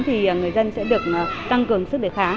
thì người dân sẽ được tăng cường sức đề kháng